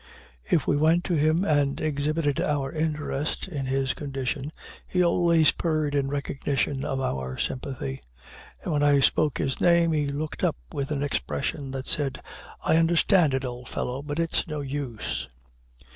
If we went to him and exhibited our interest in his condition, he always purred in recognition of our sympathy. And when I spoke his name, he looked up with an expression that said, "I understand it, old fellow, but it's no use."